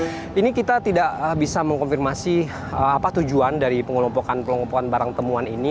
tapi kita tidak bisa mengkonfirmasi apa tujuan dari pengelompokan barang barang temuan ini